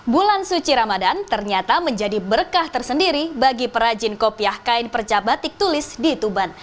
bulan suci ramadan ternyata menjadi berkah tersendiri bagi perajin kopiah kain percabatik tulis di tuban